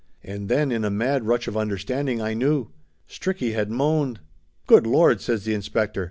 And then in a mad rush of understanding I knew. Stricky had moaned. "Good Lord!" says the inspector.